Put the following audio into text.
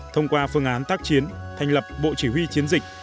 thông qua phương án tác chiến thành lập bộ chỉ huy chiến dịch